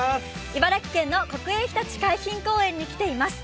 茨城県の国営ひたち海浜公園に来ています。